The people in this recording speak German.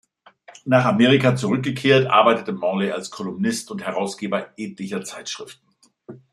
Nach Amerika zurückgekehrt, arbeitete Morley als Kolumnist und Herausgeber etlicher Zeitschriften.